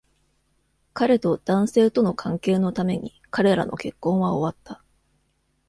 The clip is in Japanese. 彼と男性との関係のために、彼らの結婚は終わった。